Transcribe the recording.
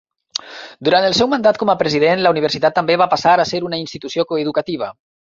Durant el seu mandat com a president, la universitat també va passar a ser una institució coeducativa.